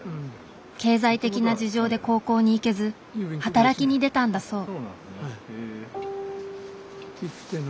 経済的な事情で高校に行けず働きに出たんだそう。